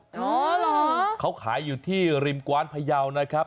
อ๋อเหรอเขาขายอยู่ที่ริมกว้านพยาวนะครับ